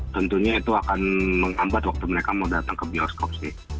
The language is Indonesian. tentunya itu akan menghambat waktu mereka mau datang ke bioskop sih